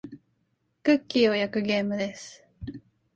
クッキーを焼くゲームです。